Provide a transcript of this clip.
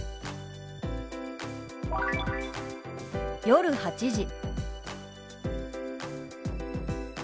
「夜８時」。